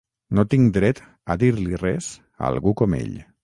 No tinc dret a dir-li res a algú com ell.